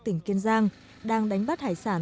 tỉnh kiên giang đang đánh bắt hải sản